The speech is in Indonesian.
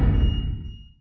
pagi pagi kau udah pergi